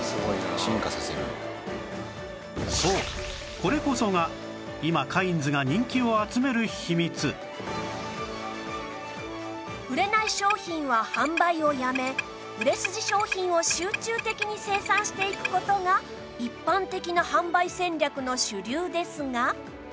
これこそが売れない商品は販売をやめ売れ筋商品を集中的に生産していく事が一般的な販売戦略の主流ですが